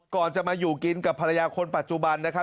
ก่อนจะมาอยู่กินกับภรรยาคนเพราะเขาต่างน่ะ